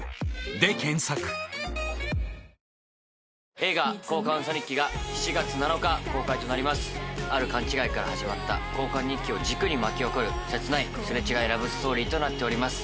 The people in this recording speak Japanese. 映画「交換ウソ日記」が７月７日公開となりますある勘違いから始まった交換日記を軸に巻き起こる切ないすれ違いラブストーリーとなっております